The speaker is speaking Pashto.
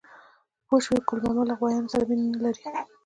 _پوه شوې؟ ګل ماما له غوايانو سره مينه نه لري.